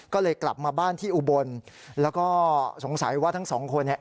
ก็เลยกลับมาบ้านที่อุบลแล้วก็สงสัยว่าทั้งสองคนเนี่ย